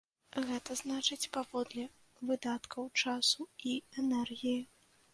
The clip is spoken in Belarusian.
Гэта значыць, паводле выдаткаў часу і энергіі.